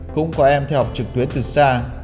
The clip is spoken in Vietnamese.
cũng có em theo học trực tuyến từ xa